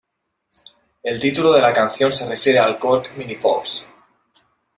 El título de la canción se refiere al Korg Mini Pops.